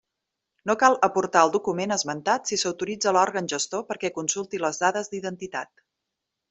No cal aportar el document esmentat si s'autoritza l'òrgan gestor perquè consulti les dades d'identitat.